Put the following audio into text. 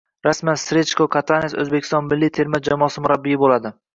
Rasman: Srechko Katanes O‘zbekiston milliy terma jamoasi murabbiyi bo‘ladi